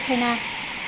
bộ trưởng quốc phòng